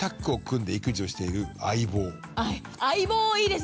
相棒いいですね！